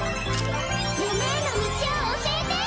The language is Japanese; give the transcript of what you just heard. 夢への道を教えて！